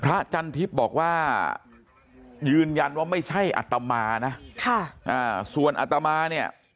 จันทิพย์บอกว่ายืนยันว่าไม่ใช่อัตมานะส่วนอัตมาเนี่ย